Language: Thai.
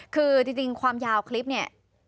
คือจริงความยาวคลิปเนี่ย